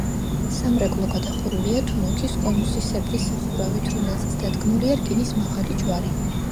სამრეკლო გადახურულია თუნუქის კონუსისებრი სახურავით, რომელზეც დადგმულია რკინის მაღალი ჯვარი.